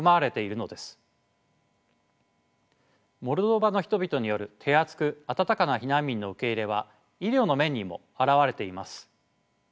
モルドバの人々による手厚く温かな避難民の受け入れは医療の面にも現れています。